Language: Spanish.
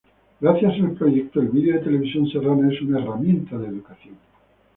Gracias al proyecto, el video en Televisión Serrana es una herramienta de educación.